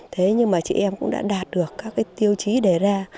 thế nhưng mà chị em cũng đã đạt được các tiêu chí để ra